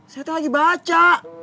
saya tuh lagi baca